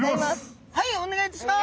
はいお願いいたします。